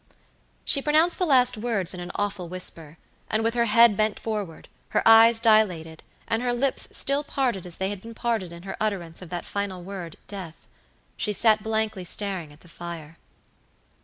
She pronounced the last words in an awful whisper; and with her head bent forward, her eyes dilated, and her lips still parted as they had been parted in her utterance of that final word "death," she sat blankly staring at the fire.